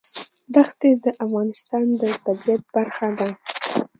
دښتې د افغانستان د طبیعت برخه ده.